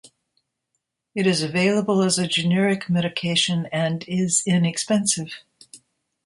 It is available as a generic medication and is inexpensive.